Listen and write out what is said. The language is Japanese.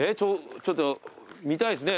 ちょっと見たいですね